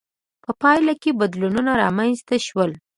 په پایله کې بدلونونه رامنځته شول.